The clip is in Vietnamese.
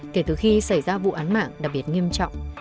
kể từ khi xảy ra vụ án mạng đặc biệt nghiêm trọng